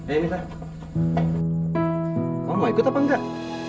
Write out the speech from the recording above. eh mita mama ikut apa enggak